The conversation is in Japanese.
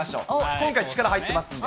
今回、力入ってますんで。